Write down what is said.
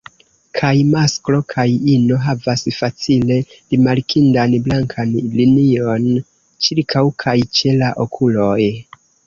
Kaj masklo kaj ino havas facile rimarkindan blankan linion ĉirkaŭ kaj ĉe la okuloj.